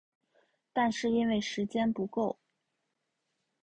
但是因为时间不够